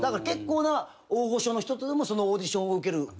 結構な大御所の人でもそのオーディションを受ける。